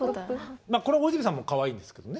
これは大泉さんもかわいいんですけどね。